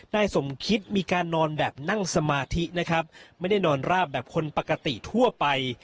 นายสมคิตมีการนอนแบบนั่งสมาธินะครับไม่ได้นอนราบแบบคนปกติทั่วไป